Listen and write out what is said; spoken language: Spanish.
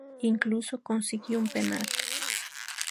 Incluso consiguió un penal.